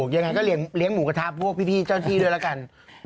อย่างไรเขาให้เลี้ยงหมูกระทามภูมิพี่เจ้าอันนี้ด้วยละกัน